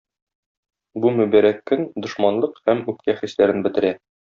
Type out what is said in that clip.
Бу мөбарәк көн дошманлык һәм үпкә хисләрен бетерә.